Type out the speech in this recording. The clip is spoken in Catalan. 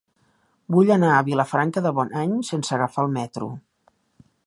Vull anar a Vilafranca de Bonany sense agafar el metro.